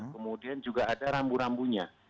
kemudian juga ada rambu rambunya